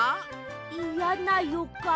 いやなよかん。